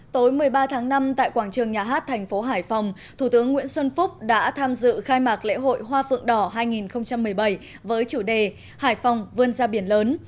tối một mươi ba tháng năm tại quảng trường nhà hát thành phố hải phòng thủ tướng nguyễn xuân phúc đã tham dự khai mạc lễ hội hoa phượng đỏ hai nghìn một mươi bảy với chủ đề hải phòng vươn ra biển lớn